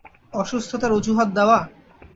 অসুস্থতার অজুহাত দেওয়া?